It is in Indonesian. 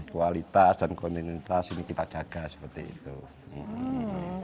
kualitas dan kontinuitas ini kita jaga seperti itu